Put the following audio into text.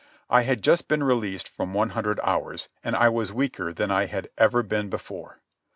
I had just been released from one hundred hours, and I was weaker than I had ever been before.